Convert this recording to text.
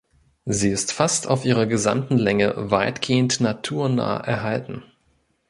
Sie ist fast auf ihrer gesamten Länge weitgehend naturnah erhalten.